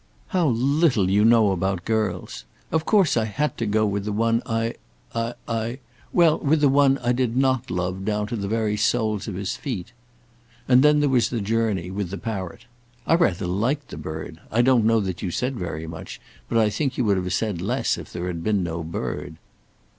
"How little you know about girls! Of course I had to go with the one I I I ; well with the one I did not love down to the very soles of his feet." And then there was the journey with the parrot. "I rather liked the bird. I don't know that you said very much, but I think you would have said less if there had been no bird."